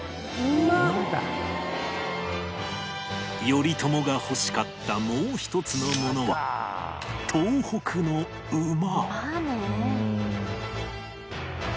頼朝が欲しかったもう一つのものは東北の馬